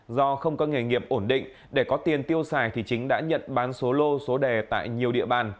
do không có nghề nghiệp ổn định để có tiền tiêu xài thì chính đã nhận bán số lô số đề tại nhiều địa bàn